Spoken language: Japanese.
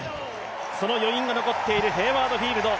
その余韻が残っているヘイワード・フィールド。